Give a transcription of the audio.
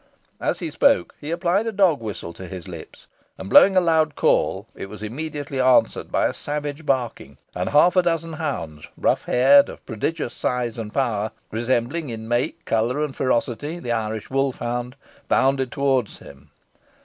As he spoke, he applied a dog whistle to his lips, and, blowing a loud call, it was immediately answered by a savage barking, and half a dozen hounds, rough haired, of prodigious size and power, resembling in make, colour, and ferocity, the Irish wolf hound bounded towards him.